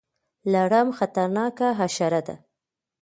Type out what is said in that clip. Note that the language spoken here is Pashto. لړم خطرناکه حشره ده